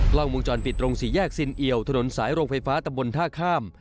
กล้องวงจรปิดตรงสี่แยกซินเอียวถนนสายโรงไฟฟ้าตะบนท่าข้าม